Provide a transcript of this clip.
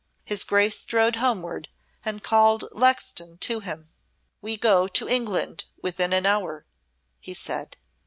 His Grace strode homeward and called Lexton to him. "We go to England within an hour," he said.